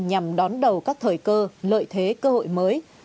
nhằm đón đầu các thời cơ lợi thế cơ hội mới